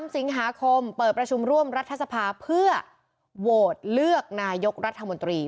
๓สิงหาคมเปิดประชุมร่วมรัฐสภาเพื่อโหวตเลือกนายกรัฐมนตรี